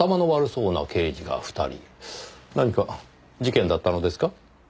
何か事件だったのですか？